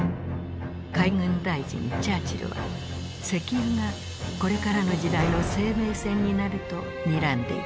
海軍大臣チャーチルは石油がこれからの時代の生命線になるとにらんでいた。